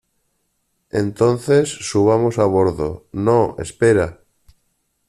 Entonces, subamos a bordo. ¡ no , espera!